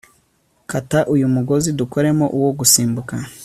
Kata uyu mugozi dukoremo uwo gusimbuka